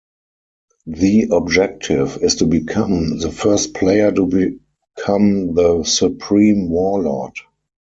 The objective is to become the first player to become the supreme Warlord.